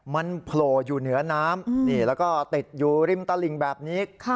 มันโผล่อยู่เหนือน้ำนี่แล้วก็ติดอยู่ริมตลิ่งแบบนี้